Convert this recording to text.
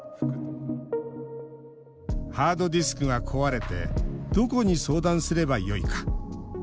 「ハードディスクが壊れてどこに相談すればよいか」